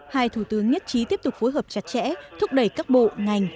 hai thủ tướng nhất trí tiếp tục phối hợp chặt chẽ thúc đẩy các bộ ngành